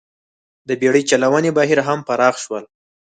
د بېړۍ چلونې بهیر هم پراخ شول